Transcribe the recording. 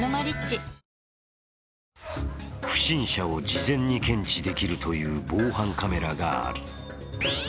不審者を事前に検知できるという防犯カメラがある。